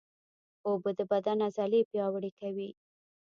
اوبه د بدن عضلې پیاوړې کوي